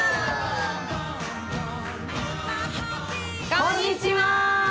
こんにちは！